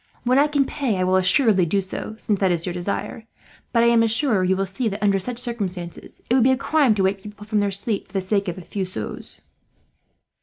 When I can pay I will assuredly do so, since that is your desire; but I am sure you will see that, under such circumstances, it would be a crime to wake people from their sleep for the sake of a few sous."